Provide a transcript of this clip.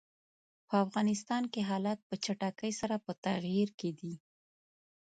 په افغانستان کې حالات په چټکۍ سره په تغییر کې دي.